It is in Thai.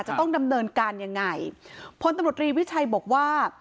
จะต้องดำเนินการยังไงพลตำรวจรีวิชัยบอกว่า